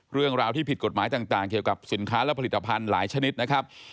เรื่องราวที่ผิดกฎหมายต่างเกี่ยวกับสินค้าและผลิตภัณฑ์หลายชนิดนะครับ